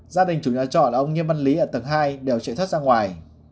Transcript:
gia đình chủ nhà trọ là ông nghiêm văn lý ở tầng hai đều chạy thoát ra ngoài